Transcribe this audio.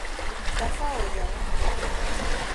دفعہ ہو جائو